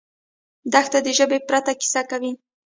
دښته د ژبې پرته کیسه کوي.